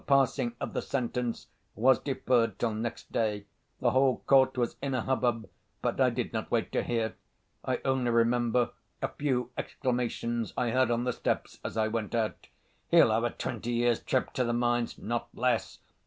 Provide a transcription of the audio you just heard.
The passing of the sentence was deferred till next day. The whole court was in a hubbub but I did not wait to hear. I only remember a few exclamations I heard on the steps as I went out. "He'll have a twenty years' trip to the mines!" "Not less."